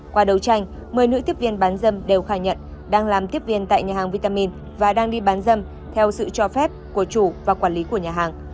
qua đấu tranh một mươi nữ tiếp viên bán dâm đều khai nhận đang làm tiếp viên tại nhà hàng vitamin và đang đi bán dâm theo sự cho phép của chủ và quản lý của nhà hàng